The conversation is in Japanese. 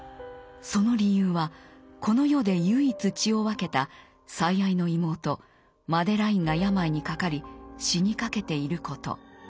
その理由はこの世で唯一血を分けた最愛の妹マデラインが病にかかり死にかけていること。